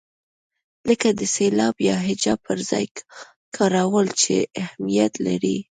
لکه د سېلاب یا هجا پر ځای کارول چې اهمیت لري.